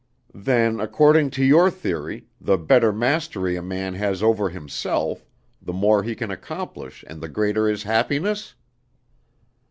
"Then, according to your theory, the better mastery a man has over himself, the more he can accomplish and the greater his happiness?"